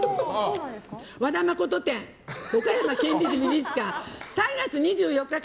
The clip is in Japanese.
和田誠展岡山県立美術館でやるから。